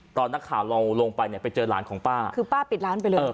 ตอนนักข่าวเราลงไปเนี่ยไปเจอหลานของป้าคือป้าปิดร้านไปเลย